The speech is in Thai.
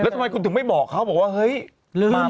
แล้วทำไมคุณถึงไม่บอกเขาบอกว่าเฮ้ยมาไม่ได้น่ะ